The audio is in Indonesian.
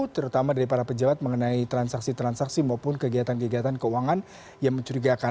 terutama dari para pejabat mengenai transaksi transaksi maupun kegiatan kegiatan keuangan yang mencurigakan